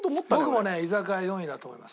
僕もね居酒屋４位だと思います。